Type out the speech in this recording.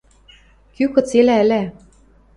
Кӱ кыцелӓ ӹлӓ.